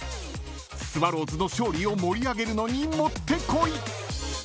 ［スワローズの勝利を盛り上げるのにもってこい］